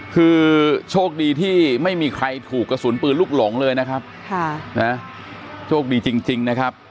คือโชคดีที่ไม่มีใครถูกกระสุนปืนลูกหลงเลยนะครับค่ะนะโชคดีจริงนะครับ